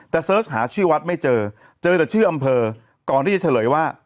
แต่เสิร์ชหาชื่อวัดไม่เจอเจอแต่ชื่ออำเภอก่อนที่จะเฉลยว่า